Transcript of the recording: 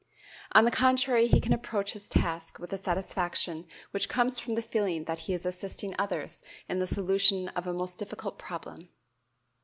On the contrary he can approach his task with the satisfaction which comes from the feeling that he is assisting others in the solution of a most difficult problem.